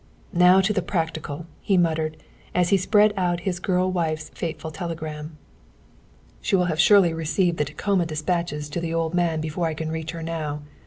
"Now to the practical," he muttered, as he spread out his girl wife's fateful telegram. "She will have surely received the Tacoma dispatches to the old man before I can reach her now.